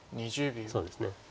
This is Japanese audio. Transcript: そうですね。